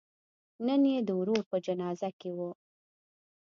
نن یې د ورور په جنازه کې و.